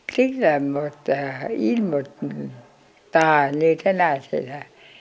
tức là một tờ in một tờ như thế nào thì là